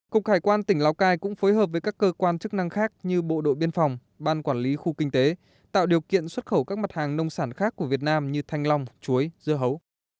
cục hải quan tỉnh lào cai cũng phối hợp với các cơ quan chức năng khác như bộ đội biên phòng ban quản lý khu kinh tế tạo điều kiện xuất khẩu các mặt hàng nông sản khác của việt nam như thanh long chuối dưa hấu